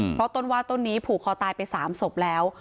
เพราะต้นว่าต้นนี้ผูกคอตายไป๓ศพแล้ว